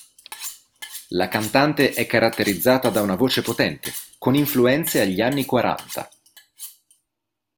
La cantante è caratterizzata da una voce potente con influenze agli anni quaranta.